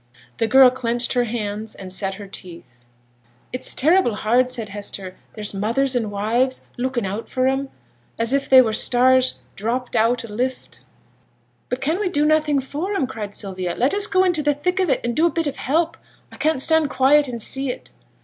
The girl clenched her hands, and set her teeth. 'It's terrible hard!' said Hester; 'there's mothers, and wives, looking out for 'em, as if they were stars dropt out o' t' lift.' 'But can we do nothing for 'em?' cried Sylvia. 'Let us go into t' thick of it and do a bit of help; I can't stand quiet and see 't!'